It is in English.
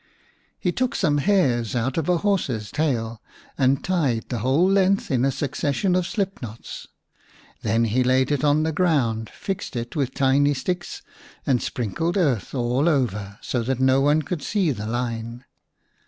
44 v The Rabbit Prince He took some hairs out of a horse's tail and tied the whole length in a succession of slip knots. Then he laid it on the ground, fixed it with tiny sticks, and sprinkled earth all over, so that no one could see the line.